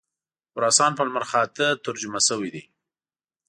خراسان په لمرخاته ترجمه شوی دی.